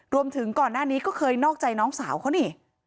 รวมถึงก่อนหน้านี้ก็เคยนอกใจน้องสาวเขานี่